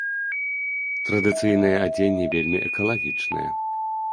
Традыцыйнае адзенне вельмі экалагічнае.